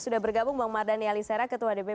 sudah bergabung bang mardani alisera ketua dpp pks